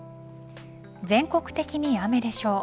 全国的に雨でしょう。